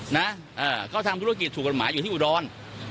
นะเค้าทำธุรกิจสุขธรรมะอยู่ที่อุดรณ์